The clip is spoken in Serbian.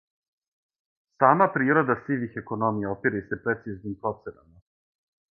Сама природа сивих економија опире се прецизним проценама.